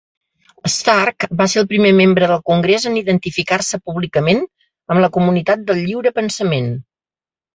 Stark va ser el primer membre del congrés en identificar-se públicament amb la comunitat del lliure pensament.